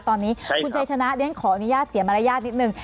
ตอนนี้คุณเจชนะขออนุญาตเสียมารยาทนิดหนึ่ง